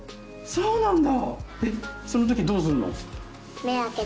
そうなんだ！